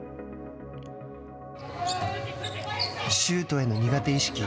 シュートへの苦手意識。